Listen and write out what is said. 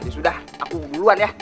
sudah aku duluan yah